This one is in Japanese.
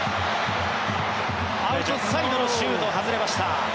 アウトサイドのシュート外れました。